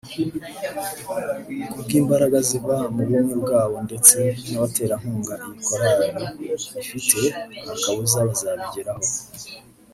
Ku bw’imbaraga ziva mu bumwe bwabo ndetse n’abaterankunga iyi korali ifite nta kabuza bazabigeraho